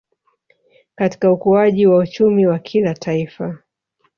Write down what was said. Katika ukuaji wa uchumi wa kila Taifa